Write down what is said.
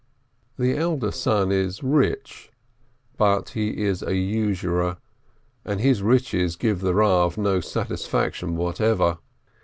The elder son is rich, but he is a usurer, and his riches give the Kav no satisfaction whatever.